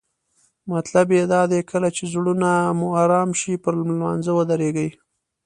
مطلب یې دا دی کله چې زړونه مو آرام شي پر لمانځه ودریږئ.